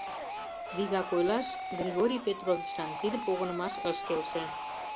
Вигак ойлаш, Григорий Петровичлан тиде погынымаш ыш келше.